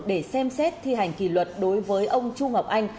để xem xét thi hành kỳ luật đối với ông chu ngọc anh